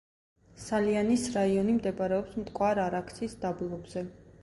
სალიანის რაიონი მდებარეობს მტკვარ-არაქსის დაბლობზე.